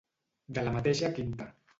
De la mateixa quinta.